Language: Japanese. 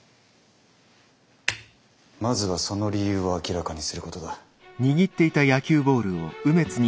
まずはその理由を明らかにすることだ。